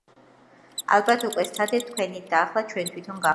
ალბათ უკვე სცადეთ თქვენით და ახლა ჩვენ თვითონ გავაკეთოთ.